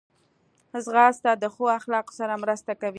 ځغاسته د ښو اخلاقو سره مرسته کوي